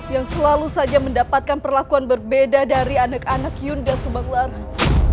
yang selalu saja mendapatkan perlakuan berbeda dari anak anak hyunda subang